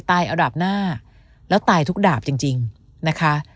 อันดับหน้าแล้วตายทุกดาบจริงนะคะ